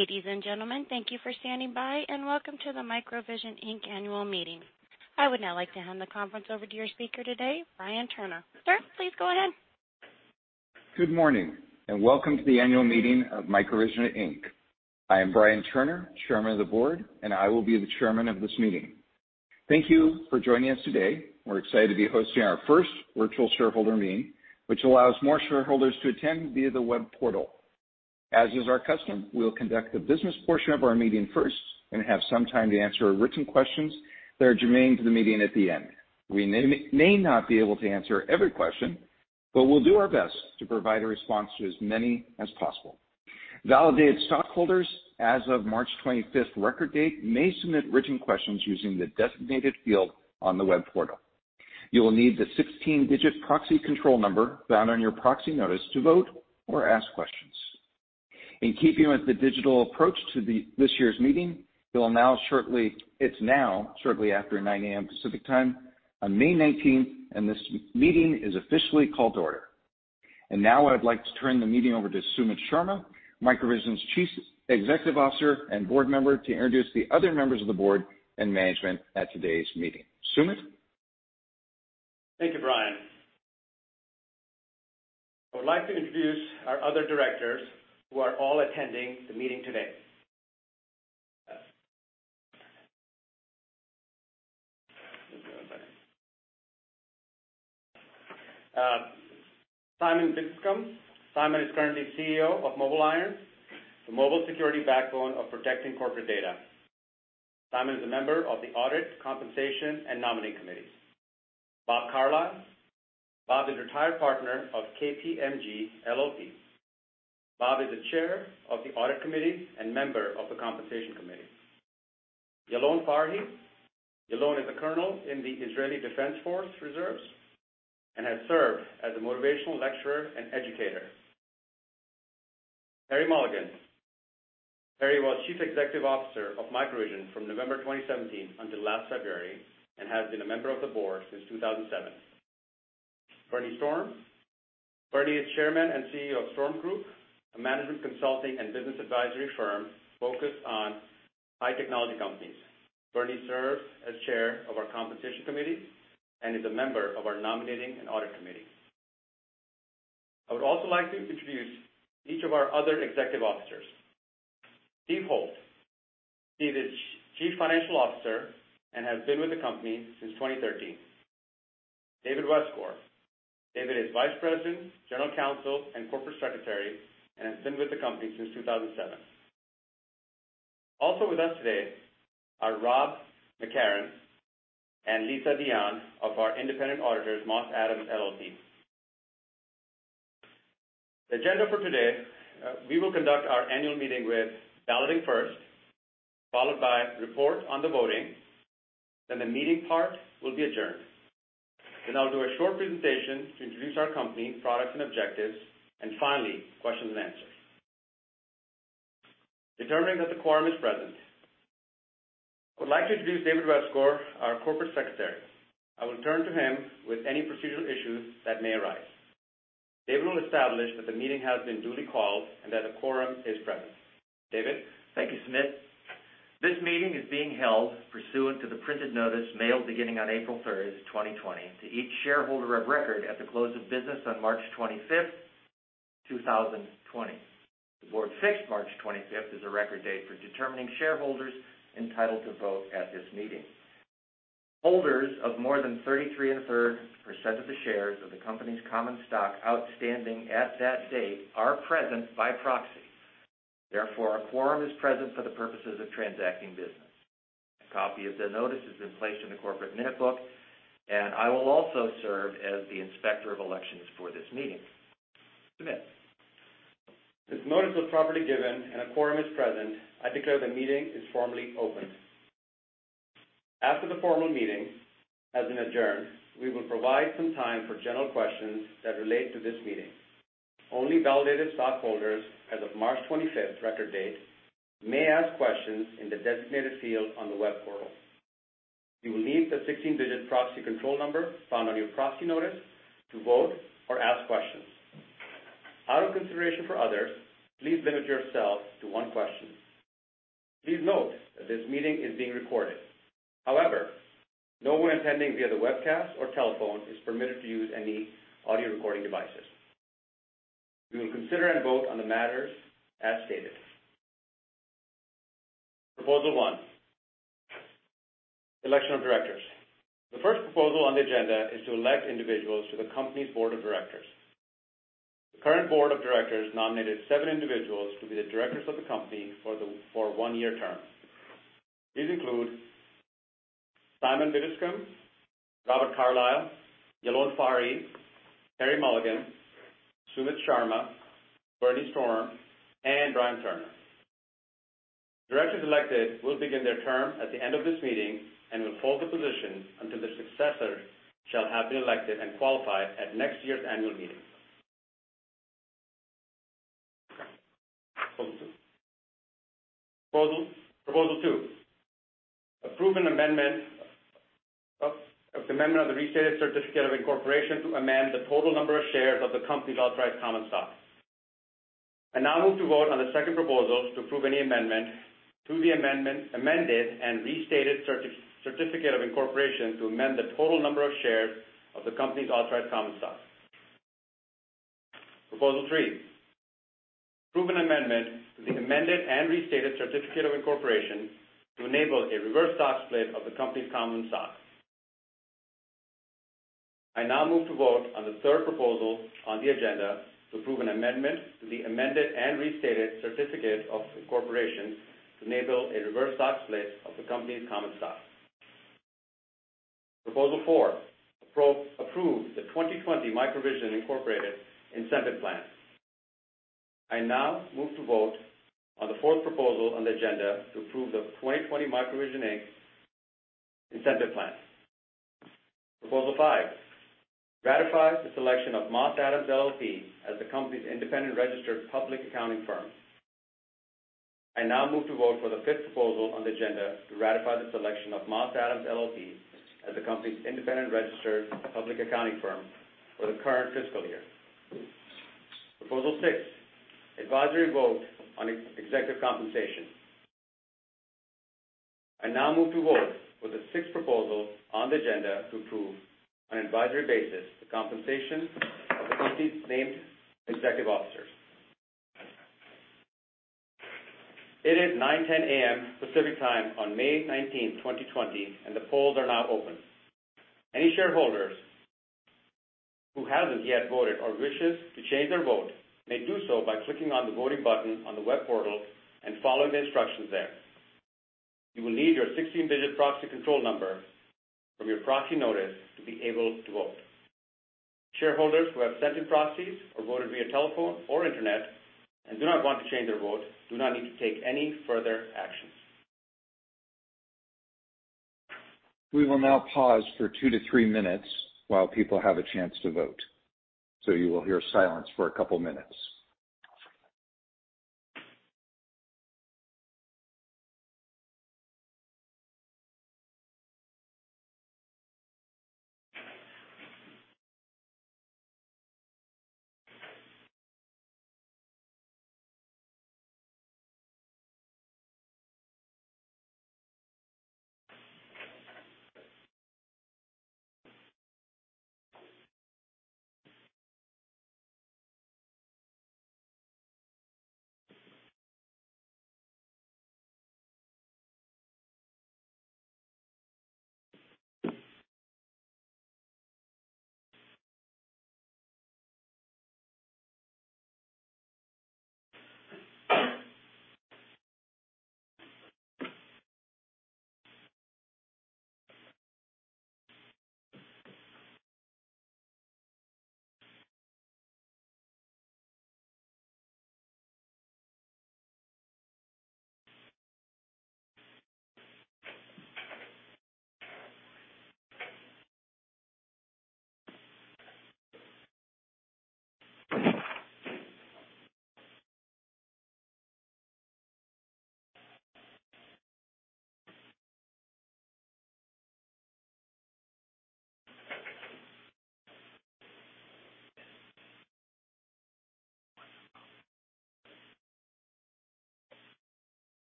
Ladies and gentlemen, thank you for standing by, and welcome to the MicroVision, Inc. annual meeting. I would now like to hand the conference over to your speaker today, Brian Turner. Sir, please go ahead. Good morning, and welcome to the annual meeting of MicroVision, Inc. I am Brian Turner, chairman of the board, and I will be the chairman of this meeting. Thank you for joining us today. We're excited to be hosting our first virtual shareholder meeting, which allows more shareholders to attend via the web portal. As is our custom, we will conduct the business portion of our meeting first, then have some time to answer written questions that are germane to the meeting at the end. We may not be able to answer every question, but we'll do our best to provide a response to as many as possible. Validated stockholders as of March 25th record date may submit written questions using the designated field on the web portal. You will need the 16-digit proxy control number found on your proxy notice to vote or ask questions. In keeping with the digital approach to this year's meeting, it's now shortly after 9:00 A.M. Pacific Time on May 19th, and this meeting is officially called to order. Now I'd like to turn the meeting over to Sumit Sharma, MicroVision's Chief Executive Officer and board member, to introduce the other members of the board and management at today's meeting. Sumit? Thank you, Brian. I would like to introduce our other directors who are all attending the meeting today. Just one second. Simon Biddiscombe. Simon is currently CEO of MobileIron, the mobile security backbone of protecting corporate data. Simon is a member of the audit, compensation, and nominee committees. Bob Carlisle. Bob is a retired partner of KPMG LLP. Bob is the chair of the audit committee and member of the compensation committee. Yahlon Farhi. Yalon is a colonel in the Israel Defense Forces Reserves and has served as a motivational lecturer and educator. Perry Mulligan. Perry was Chief Executive Officer of MicroVision from November 2017 until last February and has been a member of the board since 2007. Bernee Strom. Bernee is chairman and CEO of Storm Group, a management consulting and business advisory firm focused on high technology companies. Bernee serves as Chair of our Compensation Committee and is a member of our Nominating and Audit Committee. I would also like to introduce each of our other executive officers. Steve Holt. Steve is Chief Financial Officer and has been with the company since 2013. David Westgor. David is Vice President, General Counsel, and Corporate Secretary and has been with the company since 2007. Also with us today are Rob McCarron and Lisa Dion of our independent auditors, Moss Adams LLP. The agenda for today, we will conduct our Annual Meeting with balloting first, followed by report on the voting, then the meeting part will be adjourned. We now do a short presentation to introduce our company, products, and objectives, and finally, questions and answers. Determining that the quorum is present, I would like to introduce David Westgor, our corporate secretary. I will turn to him with any procedural issues that may arise. David will establish that the meeting has been duly called and that a quorum is present. David? Thank you, Sumit. This meeting is being held pursuant to the printed notice mailed beginning on April 3rd, 2020, to each shareholder of record at the close of business on March 25th, 2020. The board fixed March 25th as a record date for determining shareholders entitled to vote at this meeting. Holders of more than 33.3% of the shares of the company's common stock outstanding at that date are present by proxy. Therefore, a quorum is present for the purposes of transacting business. A copy of the notice is in place in the corporate minute book, and I will also serve as the inspector of elections for this meeting. Sumit. Since notice was properly given and a quorum is present, I declare the meeting is formally open. After the formal meeting has been adjourned, we will provide some time for general questions that relate to this meeting. Only validated stockholders as of March 25th record date may ask questions in the designated field on the web portal. You will need the 16-digit proxy control number found on your proxy notice to vote or ask questions. Out of consideration for others, please limit yourself to one question. Please note that this meeting is being recorded. However, no one attending via the webcast or telephone is permitted to use any audio recording devices. We will consider and vote on the matters as stated. Proposal one, election of directors. The first proposal on the agenda is to elect individuals to the company's board of directors. The current board of directors nominated seven individuals to be the directors of the company for a one-year term. These include Simon Biddiscombe, Robert Carlisle, Yahlon Farhi, Perry Mulligan, Sumit Sharma, Bernee Strom, and Brian Turner. Directors elected will begin their term at the end of this meeting and will hold the position until their successors shall have been elected and qualified at next year's annual meeting. Proposal 2. Approve an amendment of the restated certificate of incorporation to amend the total number of shares of the company's authorized common stock. I now move to vote on the second proposal to approve any amendment to the amended and restated certificate of incorporation to amend the total number of shares of the company's authorized common stock. Proposal 3, approve an amendment to the amended and restated certificate of incorporation to enable a reverse stock split of the company's common stock. I now move to vote on the third proposal on the agenda to approve an amendment to the amended and restated certificate of incorporation to enable a reverse stock split of the company's common stock. Proposal four, approve the 2020 MicroVision, Inc. Incentive Plan. I now move to vote on the fourth proposal on the agenda to approve the 2020 MicroVision, Inc. Incentive Plan. Proposal five, ratify the selection of Moss Adams LLP as the company's independent registered public accounting firm. I now move to vote for the fifth proposal on the agenda to ratify the selection of Moss Adams LLP as the company's independent registered public accounting firm for the current fiscal year. Proposal six, advisory vote on executive compensation. I now move to vote for the sixth proposal on the agenda to approve on an advisory basis the compensation of the company's named executive officers. It is 9:10 A.M. Pacific Time on May 19, 2020. The polls are now open. Any shareholders who haven't yet voted or wishes to change their vote may do so by clicking on the voting button on the web portal and following the instructions there. You will need your 16-digit proxy control number from your proxy notice to be able to vote. Shareholders who have sent in proxies or voted via telephone or internet and do not want to change their vote do not need to take any further action. We will now pause for two to three minutes while people have a chance to vote. You will hear silence for a couple of minutes.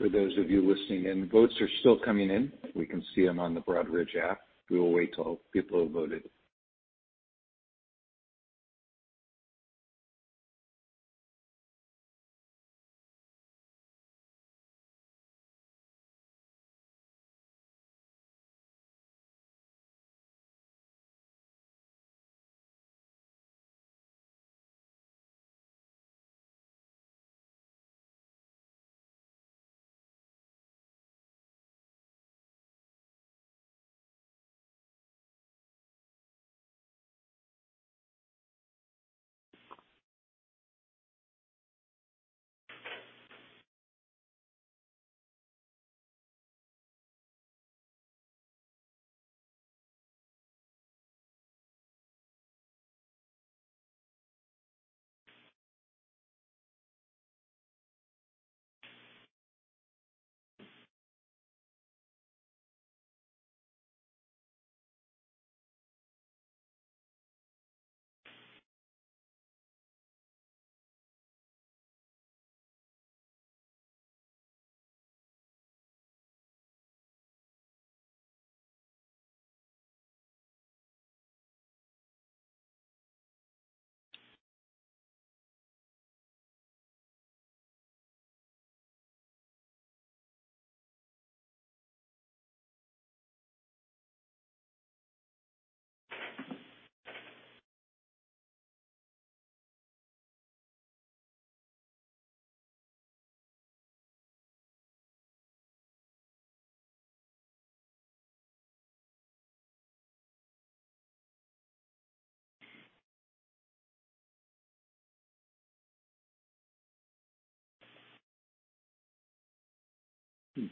For those of you listening in, votes are still coming in. We can see them on the Broadridge app. We will wait till people have voted.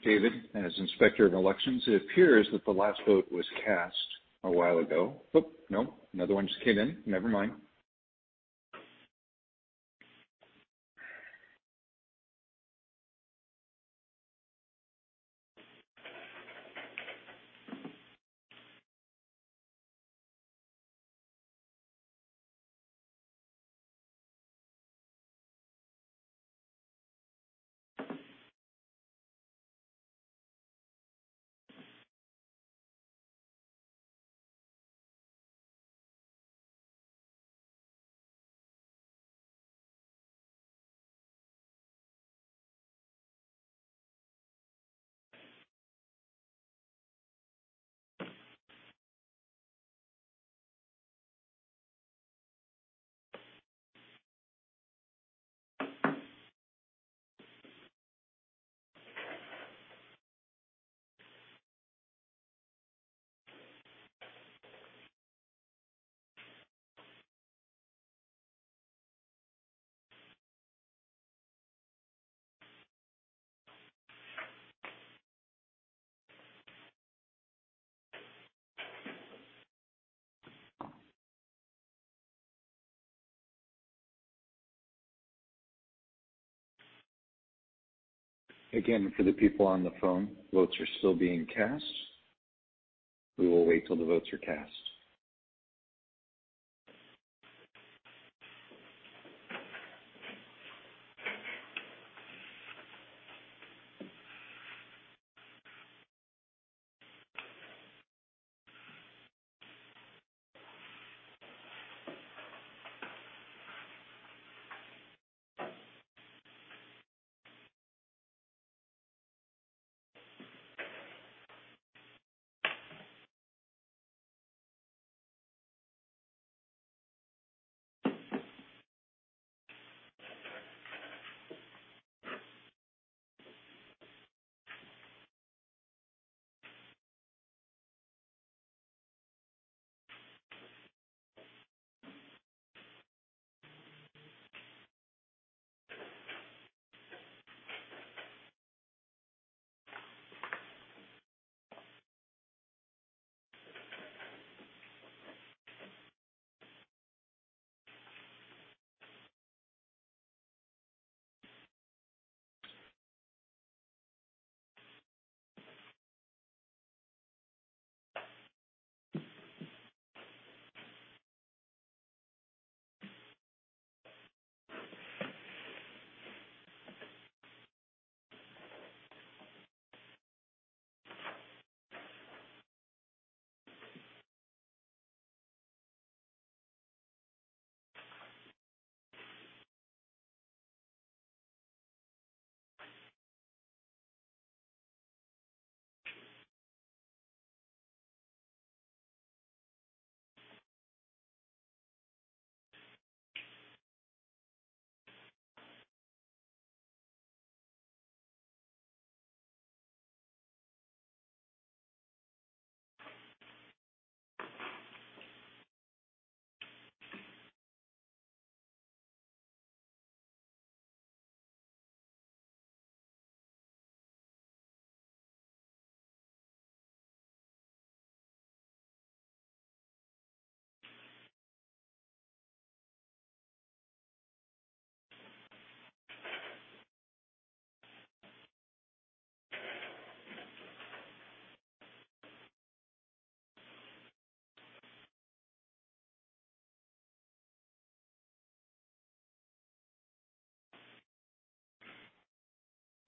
David, as Inspector of Elections, it appears that the last vote was cast a while ago. Oh, no. Another one just came in. Never mind. Again, for the people on the phone, votes are still being cast. We will wait till the votes are cast.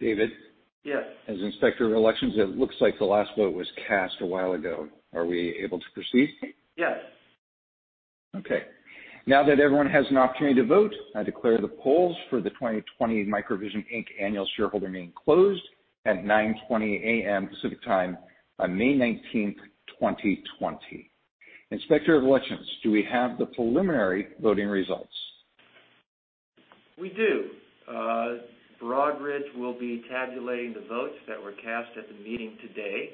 David? Yes. As Inspector of Elections, it looks like the last vote was cast a while ago. Are we able to proceed? Yes. Okay. Now that everyone has an opportunity to vote, I declare the polls for the 2020 MicroVision, Inc. Annual Shareholder Meeting closed at 9:20 A.M. Pacific Time on May 19, 2020. Inspector of Elections, do we have the preliminary voting results? We do. Broadridge will be tabulating the votes that were cast at the meeting today.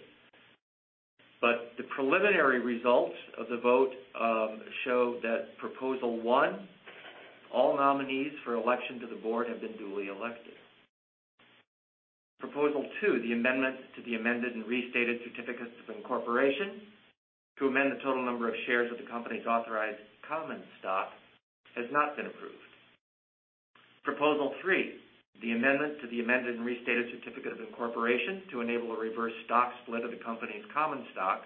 The preliminary results of the vote show that proposal one, all nominees for election to the board have been duly elected. Proposal two, the amendments to the amended and restated certificates of incorporation to amend the total number of shares of the company's authorized common stock has not been approved. Proposal 3, the amendment to the amended and restated certificate of incorporation to enable a reverse stock split of the company's common stock,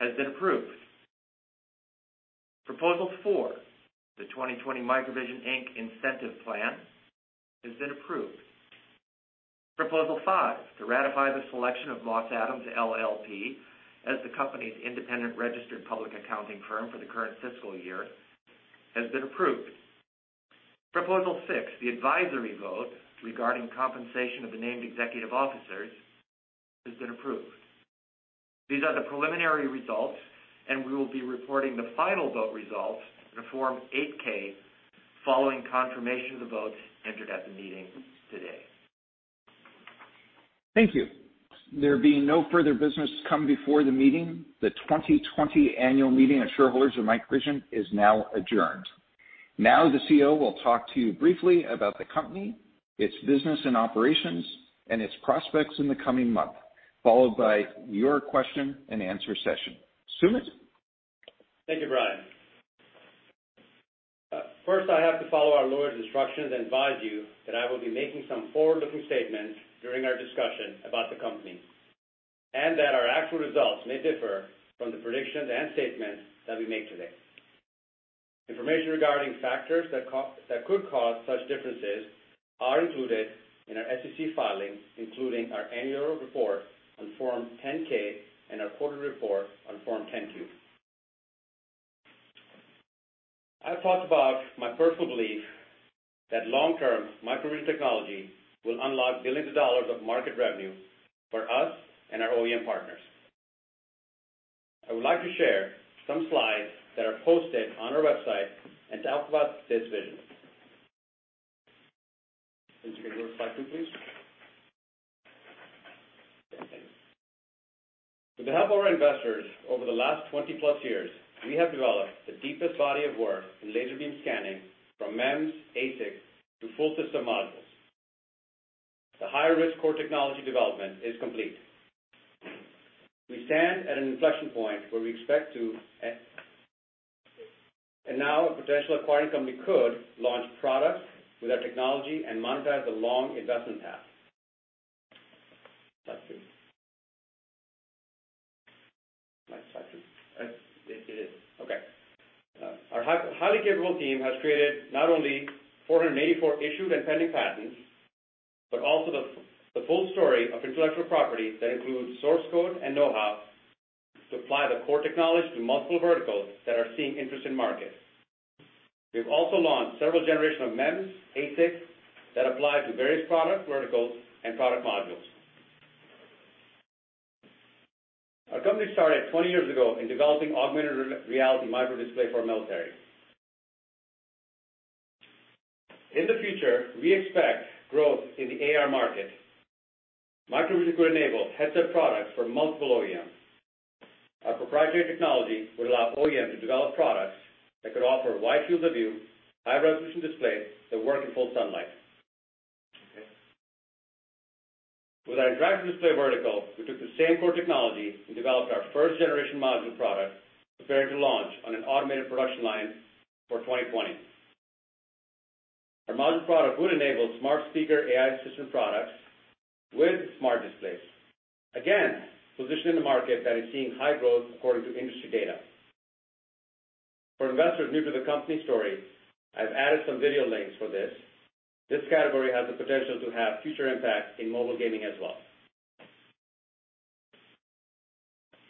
has been approved. Proposal 4, the 2020 MicroVision, Inc. Incentive Plan, has been approved. Proposal 5, to ratify the selection of Moss Adams LLP as the company's independent registered public accounting firm for the current fiscal year, has been approved. Proposal 6, the advisory vote regarding compensation of the named executive officers, has been approved. These are the preliminary results, and we will be reporting the final vote results in a Form 8-K following confirmation of the votes entered at the meeting today. Thank you. There being no further business to come before the meeting, the 2020 annual meeting of shareholders of MicroVision is now adjourned. The CEO will talk to you briefly about the company, its business and operations, and its prospects in the coming month, followed by your question and answer session. Sumit? Thank you, Brian. First, I have to follow our lawyer's instructions and advise you that I will be making some forward-looking statements during our discussion about the company, and that our actual results may differ from the predictions and statements that we make today. Information regarding factors that could cause such differences are included in our SEC filings, including our annual report on Form 10-K and our quarterly report on Form 10-Q. I've talked about my personal belief that long-term, MicroVision technology will unlock billions of dollars of market revenue for us and our OEM partners. I would like to share some slides that are posted on our website and talk about this vision. Can you go to the slide, please? With the help of our investors over the last 20-plus years, we have developed the deepest body of work in laser beam scanning from MEMS, ASIC, to full system modules. The high-risk core technology development is complete. We stand at an inflection point where a potential acquiring company could launch products with our technology and monetize the long investment path. Next slide, please. Next slide, please. It is. Okay. Our highly capable team has created not only 484 issued and pending patents, but also the full story of intellectual property that includes source code and know-how to apply the core technology to multiple verticals that are seeing interest in markets. We've also launched several generations of MEMS, ASIC that apply to various product verticals and product modules. Our company started 20 years ago in developing augmented reality micro display for military. In the future, we expect growth in the AR market. MicroVision could enable headset products for multiple OEMs. Our proprietary technology would allow OEMs to develop products that could offer wide fields of view, high-resolution displays that work in full sunlight. Okay. With our interactive display vertical, we took the same core technology and developed our first-generation module product, preparing to launch on an automated production line for 2020. Our module product would enable smart speaker AI assistant products with smart displays. Again, positioned in the market that is seeing high growth according to industry data. For investors new to the company story, I've added some video links for this. This category has the potential to have future impact in mobile gaming as well.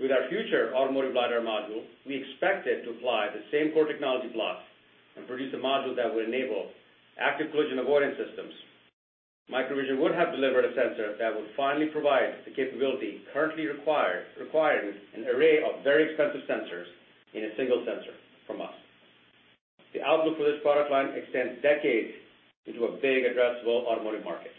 With our future automotive LiDAR module, we expected to apply the same core technology blocks and produce a module that would enable active collision avoidance systems. MicroVision would have delivered a sensor that would finally provide the capability currently requiring an array of very expensive sensors in a single sensor from us. The outlook for this product line extends decades into a big addressable automotive market.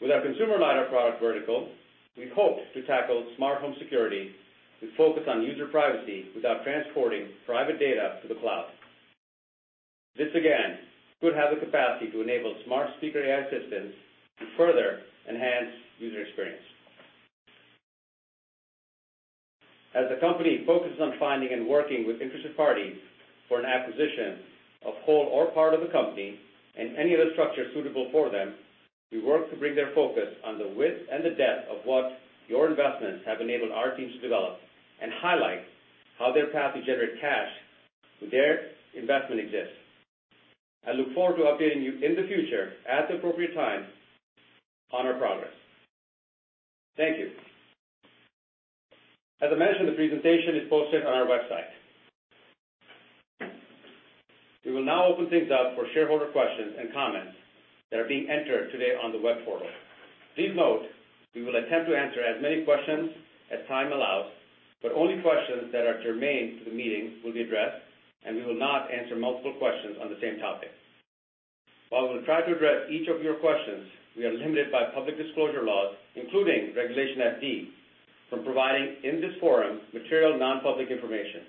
With our consumer LiDAR product vertical, we hope to tackle smart home security with focus on user privacy without transporting private data to the cloud. This again could have the capacity to enable smart speaker AI assistants to further enhance user experience. As the company focuses on finding and working with interested parties for an acquisition of whole or part of the company and any other structure suitable for them, we work to bring their focus on the width and the depth of what your investments have enabled our team to develop and highlight how their path to generate cash with their investment exists. I look forward to updating you in the future at the appropriate time on our progress. Thank you. As I mentioned, the presentation is posted on our website. We will now open things up for shareholder questions and comments that are being entered today on the web portal. Please note, we will attempt to answer as many questions as time allows, but only questions that are germane to the meeting will be addressed, and we will not answer multiple questions on the same topic. While we will try to address each of your questions, we are limited by public disclosure laws, including Regulation FD, from providing, in this forum, material non-public information.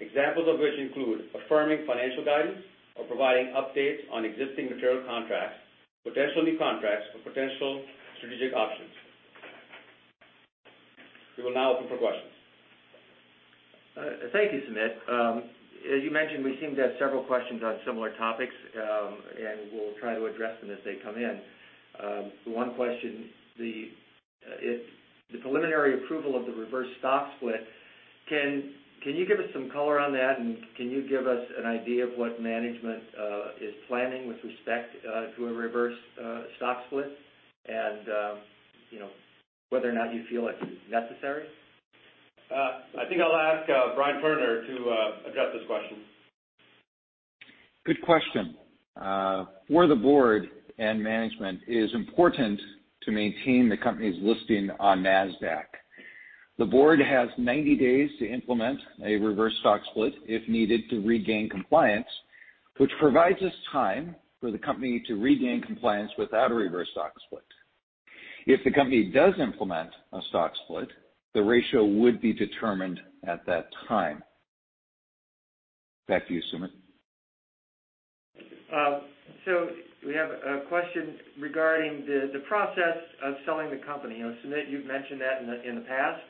Examples of which include affirming financial guidance or providing updates on existing material contracts, potential new contracts, or potential strategic options. We will now open for questions. Thank you, Sumit. As you mentioned, we seem to have several questions on similar topics, and we'll try to address them as they come in. One question, the preliminary approval of the reverse stock split, can you give us some color on that and can you give us an idea of what management is planning with respect to a reverse stock split and whether or not you feel it's necessary? I think I'll ask Brian Turner to address this question. Good question. For the board and management, it is important to maintain the company's listing on Nasdaq. The board has 90 days to implement a reverse stock split if needed to regain compliance, which provides us time for the company to regain compliance without a reverse stock split. If the company does implement a stock split, the ratio would be determined at that time. Back to you, Sumit. We have a question regarding the process of selling the company. Sumit, you've mentioned that in the past.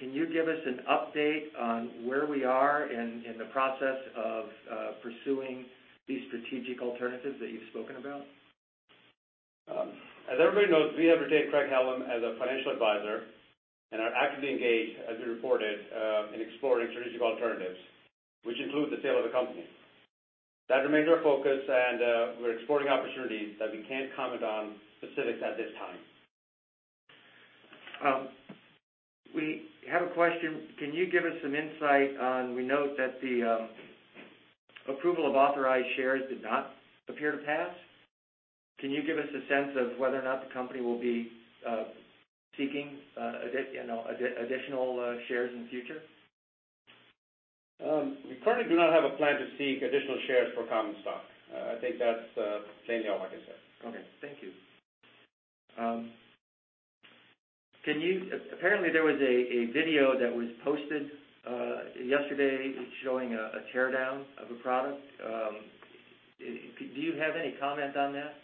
Can you give us an update on where we are in the process of pursuing these strategic alternatives that you've spoken about? As everybody knows, we have retained Craig-Hallum as a financial advisor and are actively engaged, as we reported, in exploring strategic alternatives, which include the sale of the company. That remains our focus and we're exploring opportunities that we can't comment on specifics at this time. We have a question. Can you give us some insight on, we note that the approval of authorized shares did not appear to pass? Can you give us a sense of whether or not the company will be seeking additional shares in future? We currently do not have a plan to seek additional shares for common stock. I think that's mainly all I can say. Okay. Thank you. Apparently, there was a video that was posted yesterday showing a teardown of a product. Do you have any comment on that?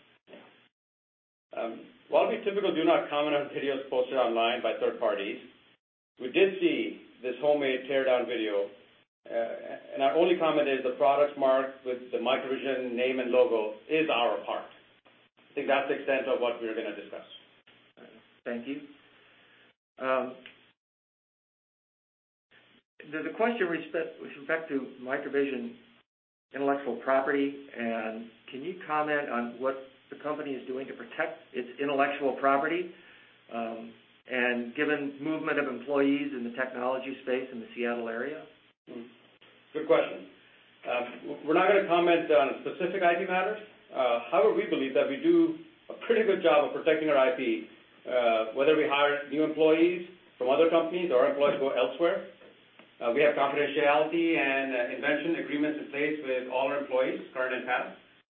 While we typically do not comment on videos posted online by third parties, we did see this homemade teardown video, and our only comment is the product marked with the MicroVision name and logo is our part. I think that's the extent of what we're going to discuss. Thank you. There's a question with respect to MicroVision intellectual property, can you comment on what the company is doing to protect its intellectual property and given movement of employees in the technology space in the Seattle area? Good question. We're not going to comment on specific IP matters. However, we believe that we do a pretty good job of protecting our IP, whether we hire new employees from other companies or employees go elsewhere. We have confidentiality and invention agreements in place with all our employees, current and past.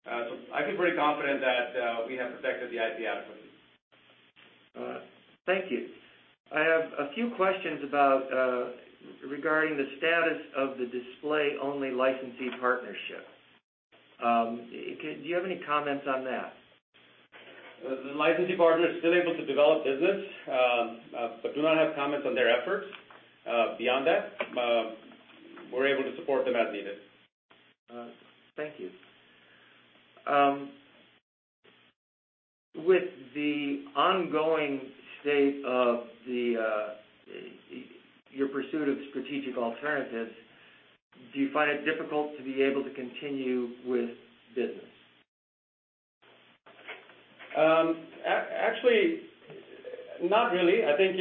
I feel pretty confident that we have protected the IP adequately. Thank you. I have a few questions regarding the status of the display-only licensee partnership. Do you have any comments on that? The licensee partner is still able to develop business, but do not have comments on their efforts. Beyond that, we're able to support them as needed. Thank you. With the ongoing state of your pursuit of strategic alternatives, do you find it difficult to be able to continue with business? Actually, not really. I think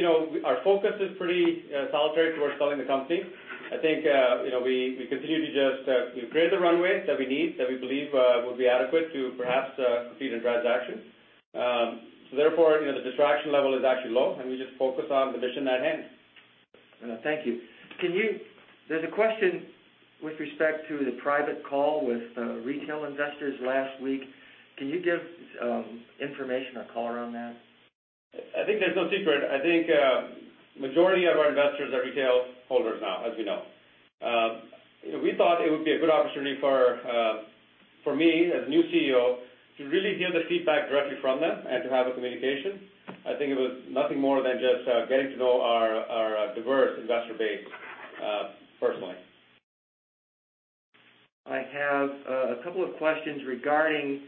our focus is pretty solitary towards selling the company. I think we continue to just create the runway that we need, that we believe will be adequate to perhaps complete a transaction. Therefore, the distraction level is actually low, and we just focus on the mission at hand. Thank you. There's a question with respect to the private call with retail investors last week. Can you give information or color on that? I think there's no secret. I think majority of our investors are retail holders now, as we know. We thought it would be a good opportunity for me, as new CEO, to really hear the feedback directly from them and to have a communication. I think it was nothing more than just getting to know our diverse investor base personally. I have a couple of questions regarding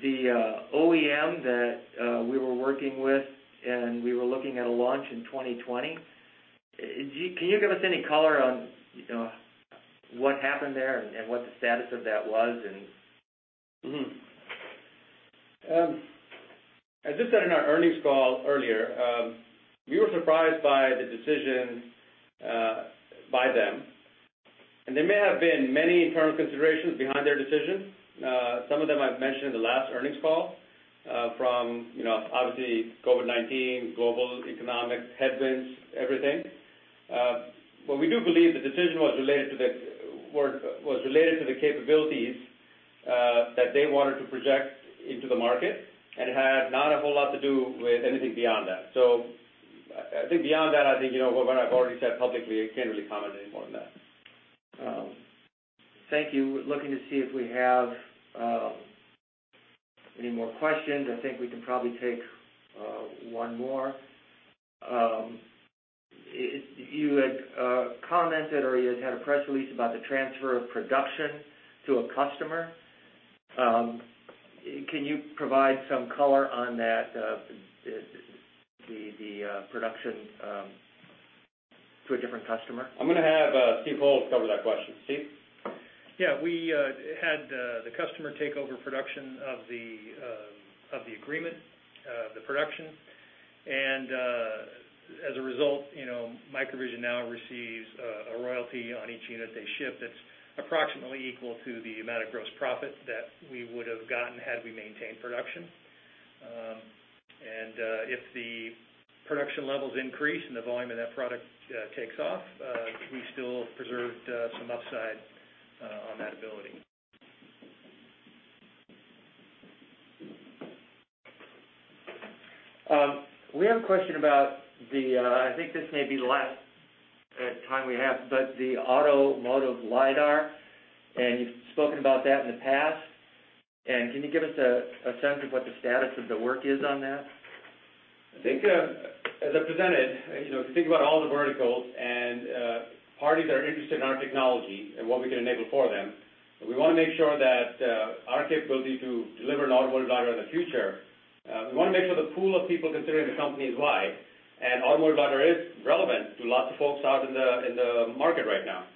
the OEM that we were working with, and we were looking at a launch in 2020. Can you give us any color on what happened there and what the status of that was? As I said in our earnings call earlier, we were surprised by the decision by them, and there may have been many internal considerations behind their decision. Some of them I've mentioned in the last earnings call from, obviously, COVID-19, global economic headwinds, everything. We do believe the decision was related to the capabilities that they wanted to project into the market and had not a whole lot to do with anything beyond that. I think beyond that, I think what I've already said publicly, I can't really comment any more than that. Thank you. Looking to see if we have any more questions? I think we can probably take one more. You had commented, or you had had a press release about the transfer of production to a customer. Can you provide some color on that, the production to a different customer? I'm going to have Steve Holt cover that question. Steve? Yeah. We had the customer take over production of the agreement, the production. As a result, MicroVision now receives a royalty on each unit they ship that's approximately equal to the amount of gross profit that we would've gotten had we maintained production. If the production levels increase and the volume of that product takes off, we still preserved some upside on that ability. We have a question about the, I think this may be the last time we have, but the automotive LiDAR, and you've spoken about that in the past. Can you give us a sense of what the status of the work is on that? I think, as I presented, if you think about all the verticals and parties that are interested in our technology and what we can enable for them, we want to make sure that our capability to deliver an automotive LiDAR in the future, we want to make sure the pool of people considering the company is wide. Automotive LiDAR is relevant to lots of folks out in the market right now.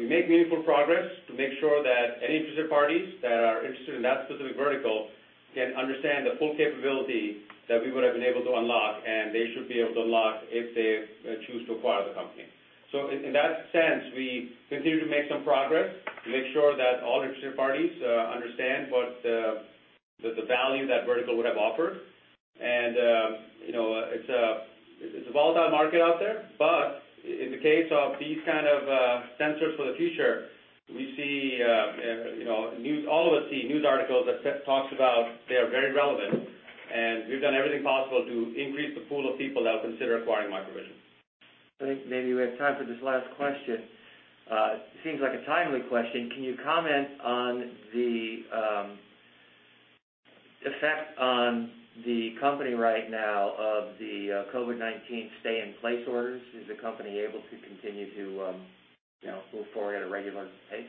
We make meaningful progress to make sure that any interested parties that are interested in that specific vertical can understand the full capability that we would've been able to unlock, and they should be able to unlock if they choose to acquire the company. In that sense, we continue to make some progress to make sure that all interested parties understand what the value that vertical would've offered. It's a volatile market out there, but in the case of these kind of sensors for the future, all of us see news articles that talks about they are very relevant, and we've done everything possible to increase the pool of people that will consider acquiring MicroVision. I think maybe we have time for this last question. It seems like a timely question. Can you comment on the effect on the company right now of the COVID-19 stay-in-place orders? Is the company able to continue to move forward at a regular pace?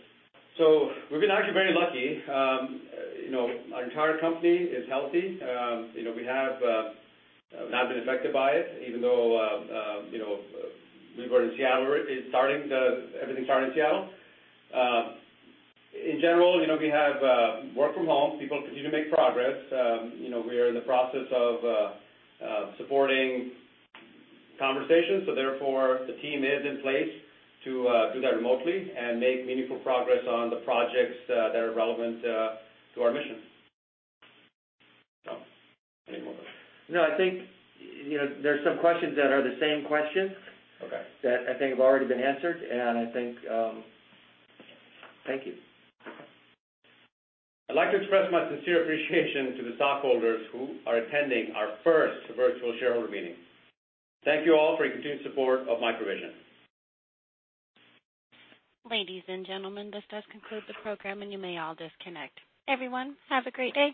We've been actually very lucky. Our entire company is healthy. We have not been affected by it, even though everything started in Seattle. In general, we have work from home. People continue to make progress. We are in the process of supporting conversations, so therefore the team is in place to do that remotely and make meaningful progress on the projects that are relevant to our mission. Any more? No. I think there's some questions that are the same question. Okay that I think have already been answered, and I think thank you. I'd like to express my sincere appreciation to the stockholders who are attending our first virtual shareholder meeting. Thank you all for your continued support of MicroVision. Ladies and gentlemen, this does conclude the program. You may all disconnect. Everyone, have a great day.